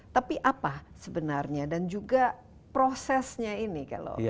tapi apa sebenarnya dan juga prosesnya ini kalau tidak gampang ya